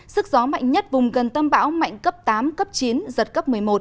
sức gió mạnh nhất vùng gần tâm bão mạnh cấp tám cấp chín giật cấp một mươi một